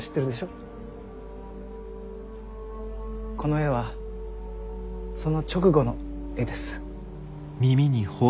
この絵はその直後の絵です。